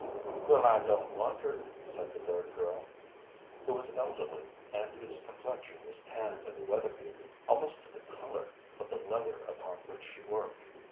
"Well, I don't wonder," said the third girl, who was elderly and whose complexion was tanned and weather beaten almost to the color of the leather upon which she worked.